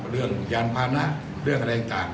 เรื่องยานพร้านะเรื่องวันแรงการ